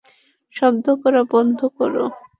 শব্দ করা বন্ধ কর!